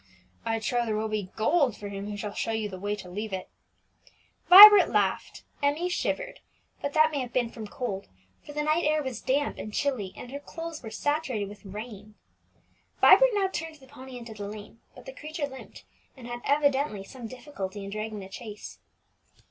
"I trow there will be gold for him who shall show you the way to leave it!" Vibert laughed; Emmie shivered, but that may have been from cold, for the night air was clamp and chilly, and her clothes were saturated with rain. Vibert now turned the pony into the lane, but the creature limped, and had evidently some difficulty in dragging the chaise.